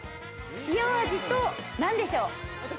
塩味と何でしょう？